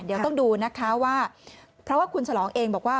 เดี๋ยวต้องดูนะคะว่าเพราะว่าคุณฉลองเองบอกว่า